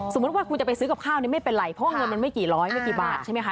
สมมุติว่าคุณจะไปซื้อกับข้าวเนี่ยไม่เป็นไรเพราะว่าเงินมันไม่กี่ร้อยไม่กี่บาทใช่ไหมคะ